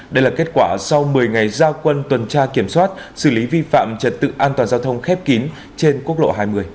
đây là kết quả sau một mươi ngày gia quân tuần tra kiểm soát xử lý vi phạm trật tự an toàn giao thông khép kín trên quốc lộ hai mươi